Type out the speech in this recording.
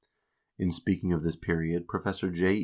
In speaking of this period Professor J.